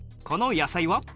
この野菜は？